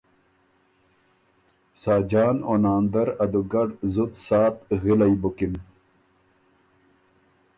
ساجان او ناندر ا دُوګډ زُت ساعت غِلئبُکِن